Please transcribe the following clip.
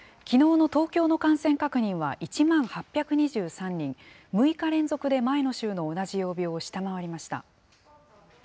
きのうの東京の感染確認は１万８２３人、６日連続で前の週の同じ曜日を下回りました。